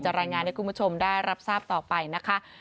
รายงานให้คุณผู้ชมได้รับทราบต่อไปนะคะ